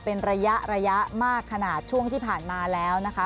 เป็นระยะระยะมากขนาดช่วงที่ผ่านมาแล้วนะคะ